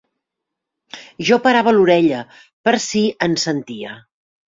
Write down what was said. Jo parava l'orella per si en sentia